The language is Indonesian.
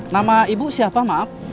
nama ibu siapa maaf